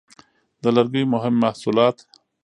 د لرګیو مهم محصولات: